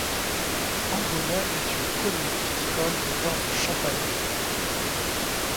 Ambonnay est une commune viticole de vins de Champagne.